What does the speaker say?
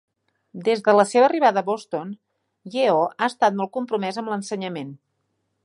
Des de la seva arribada a Boston, Yeo ha estat molt compromès amb l'ensenyament.